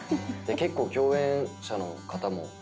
結構共演者の方も。